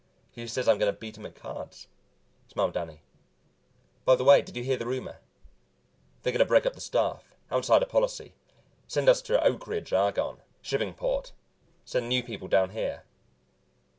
"Who says I'm going to beat him at cards?" smiled Danny. "By the way, did you hear the rumor? They're going to break up the staff, Outsider policy, send us to Oak Ridge, Argonne, Shippingport, send new people down here."